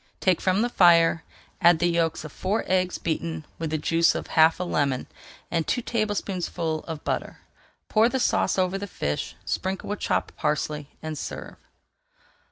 Take from the fire, add the yolks of four eggs beaten with the juice of half a lemon, and two tablespoonfuls of butter. Pour the sauce over the fish, sprinkle with chopped parsley, and serve.